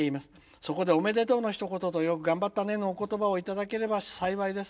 そこで『おめでとう』のひと言と『よく頑張ったね』のお言葉を頂ければ幸いです。